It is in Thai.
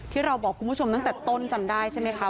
ที่เราบอกคุณผู้ชมตั้งแต่ต้นจำได้ใช่ไหมคะ